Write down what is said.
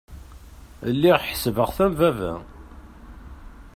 Lliɣ ḥesbeɣ-t am baba.